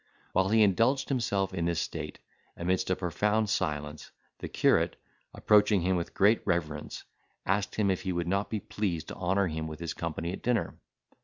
While he indulged himself in this state, amidst a profound silence, the curate, approaching him with great reverence, asked him if he would not be pleased to honour him with his company at dinner?